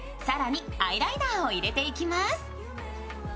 更にアイライナーを入れていきます。